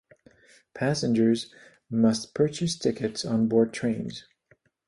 Passengers must purchase tickets on board trains.